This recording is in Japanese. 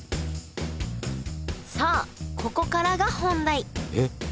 ここからが本題えっ？